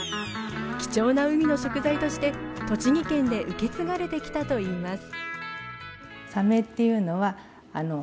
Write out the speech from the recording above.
貴重な海の食材として栃木県で受け継がれてきたといいます